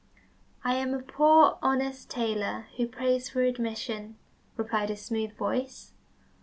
"I am a poor, honest tailor who prays for admission," replied a smooth voice.